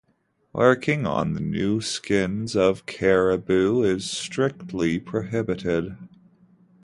Working on the new skins of caribou is strictly prohibited.